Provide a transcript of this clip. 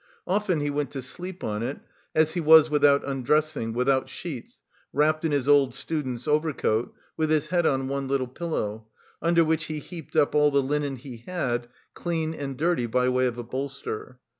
Often he went to sleep on it, as he was, without undressing, without sheets, wrapped in his old student's overcoat, with his head on one little pillow, under which he heaped up all the linen he had, clean and dirty, by way of a bolster.